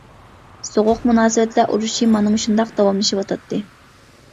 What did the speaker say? سوغۇق مۇناسىۋەتلەر ئۇرۇشى مانا مۇشۇنداق داۋاملىشىۋاتاتتى.